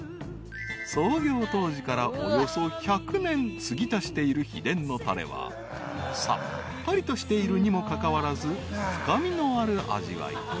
［創業当時からおよそ１００年つぎ足している秘伝のたれはさっぱりとしているにもかかわらず深みのある味わい］